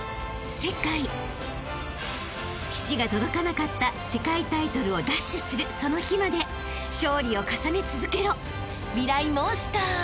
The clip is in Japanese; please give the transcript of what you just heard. ［父が届かなかった世界タイトルを奪取するその日まで勝利を重ね続けろ］